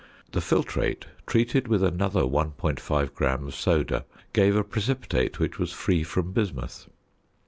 The filtrate treated with another 1.5 gram of "soda" gave a precipitate which was free from bismuth.